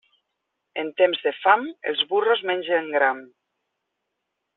En temps de fam, els burros mengen gram.